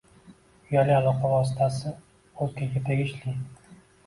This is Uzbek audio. Uyali aloqa vositasi o‘zgaga tegishli.